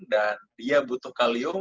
dan dia butuh kalium